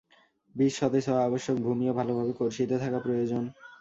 বীজ সতেজ হওয়া আবশ্যক, ভূমিও ভালভাবে কর্ষিত থাকা প্রয়োজন।